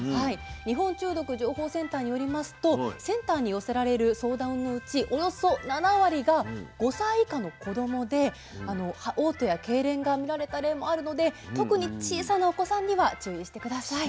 日本中毒情報センターによりますとセンターに寄せられる相談のうちおよそ７割が５歳以下の子どもでおう吐やけいれんがみられた例もあるので特に小さなお子さんには注意して下さい。